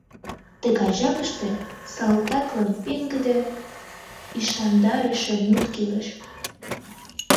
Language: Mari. Тыгай жапыште салтаклан пеҥгыде, ӱшандарыше мут кӱлеш.